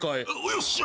よっしゃ！